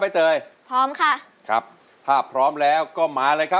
ใบเตยเลือกใช้ได้๓แผ่นป้ายตลอดทั้งการแข่งขัน